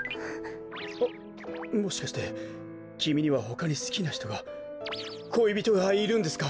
あっもしかしてきみにはほかにすきなひとがこいびとがいるんですか？